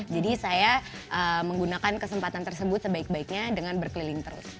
jadi saya menggunakan kesempatan tersebut sebaik baiknya dengan berkeliling terus